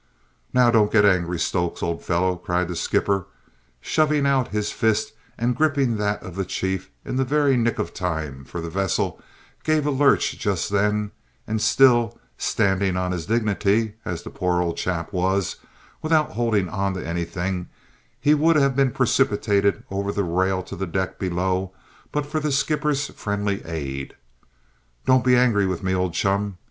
"Now, don't get angry, Stokes, old fellow," cried the skipper shoving out his fist and gripping that of the chief in the very nick of time, for the vessel gave a lurch just then and, still "standing on his dignity," as the poor old chap was, without holding on to anything, he would have been precipitated over the rail to the deck below, but for the skipper's friendly aid. "Don't be angry with me, old chum.